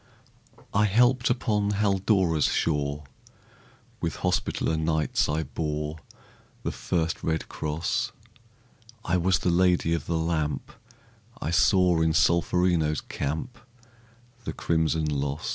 I helped upon Haldora's shore; With Hospitaller Knights I bore The first red cross; I was the Lady of the Lamp; I saw in Solferino's camp The crimson loss.